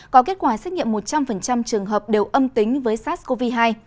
có kết quả xét nghiệm một trăm linh trường hợp đều âm tính với sars cov hai